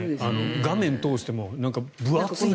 画面を通しても分厚いなという。